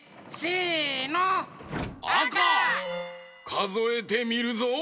かぞえてみるぞ。